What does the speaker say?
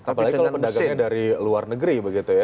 jadi kalau pedagangnya dari luar negeri begitu ya